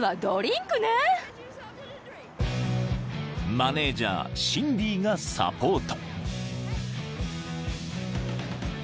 ［マネジャーシンディがサポート］